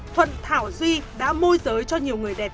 thuận thảo duy đã môi giới cho nhiều người đẹp